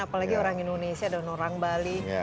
apalagi orang indonesia dan orang bali